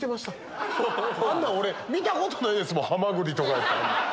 あんなん見たことないですもんハマグリ！とかって。